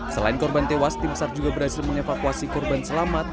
selain korban tewas tim sar juga berhasil mengevakuasi korban selamat